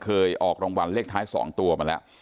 ออกรางวัลเลขท้าย๒ตัวมาแล้ว